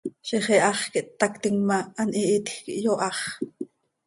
Ziix iháx quih httactim ma, an hihitj quih yoháx.